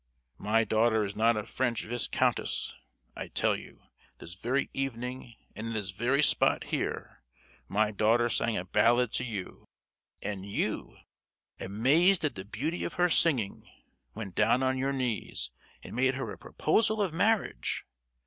My daughter is not a French viscountess! I tell you, this very evening and in this very spot here, my daughter sang a ballad to you, and you, amazed at the beauty of her singing, went down on your knees and made her a proposal of marriage.